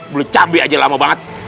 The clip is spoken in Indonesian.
belut cabai aja lama banget